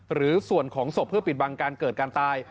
หรือส่วนของศพเพื่อปิดบังการเกิดการตาย